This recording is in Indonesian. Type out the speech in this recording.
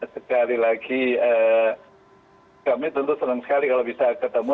sekali lagi kami tentu senang sekali kalau bisa ketemu